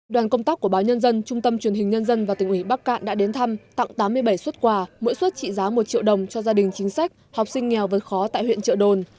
đoàn công tác của báo nhân dân trung tâm truyền hình nhân dân và tỉnh ủy bắc cạn đã đến thăm tặng tám mươi bảy xuất quà mỗi xuất trị giá một triệu đồng cho gia đình chính sách học sinh nghèo vượt khó tại huyện trợ đồn